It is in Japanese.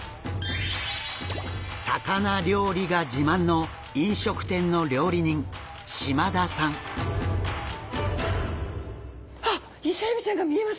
魚料理が自慢の飲食店のあっイセエビちゃんが見えますね。